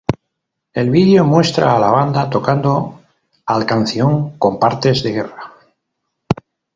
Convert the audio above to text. El vídeo muestra a la banda tocando al canción con partes de guerra.